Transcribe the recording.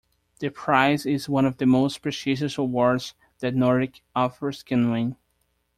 The prize is one of the most prestigious awards that Nordic authors can win.